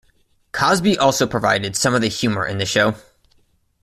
Cosby also provided some of the humor in the show.